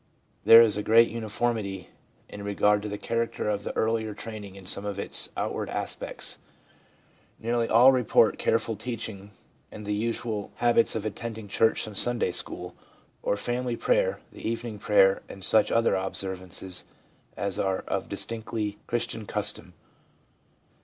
There is great uniformity in regard to the character of the earlier training in some of its outward aspects ; nearly all report careful teaching and the usual habits of attending church and Sunday school, or family prayer, the evening prayer, and such other observances as are of distinctly Christian custom.